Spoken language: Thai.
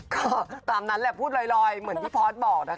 ก็ตามนั้นแหละพูดลอยเหมือนที่พอร์ตบอกนะคะ